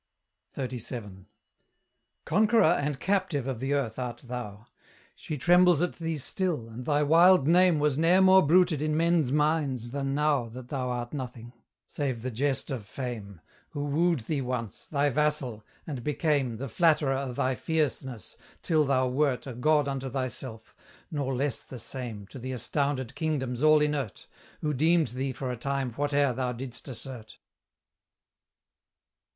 XXXVII. Conqueror and captive of the earth art thou! She trembles at thee still, and thy wild name Was ne'er more bruited in men's minds than now That thou art nothing, save the jest of Fame, Who wooed thee once, thy vassal, and became The flatterer of thy fierceness, till thou wert A god unto thyself; nor less the same To the astounded kingdoms all inert, Who deemed thee for a time whate'er thou didst assert.